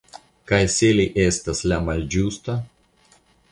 Kaj se li estas la malĝusta?